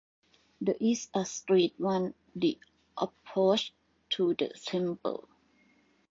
The is a street on the approach to the temple.